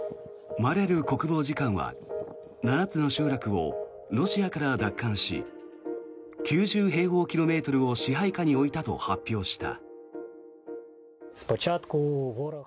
マリャル国防次官は７つの集落をロシアから奪還し９０平方メートルを支配下に置いたと発表した。